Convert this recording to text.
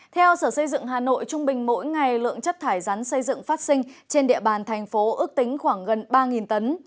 theo sở xây dựng hà nội trung bình mỗi ngày lượng chất thải rắn xây dựng phát sinh trên địa bàn thành phố ước tính khoảng gần ba tấn